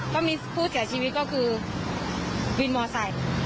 ก็มีผู้เสียชีวิตก็คือวินมอไซค์